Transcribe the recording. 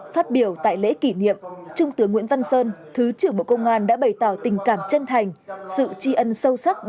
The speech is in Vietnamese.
phát biểu tại lễ kỷ niệm trung tướng nguyễn văn sơn thứ trưởng bộ công an đã bày tỏ tình cảm chân thành sự tri ân sâu sắc